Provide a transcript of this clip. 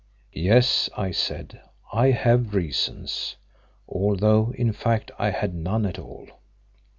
"Yes," I said, "I have reasons," although in fact I had none at all.